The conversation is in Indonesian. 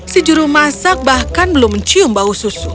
si juru masak bahkan belum cium bau susu